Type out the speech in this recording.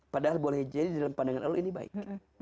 padahal boleh jadi dalam pandangan allah ini baik